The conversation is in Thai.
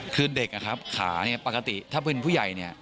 คือเด็กอะครับขาปกติถ้าเป็นผู้ใหญ่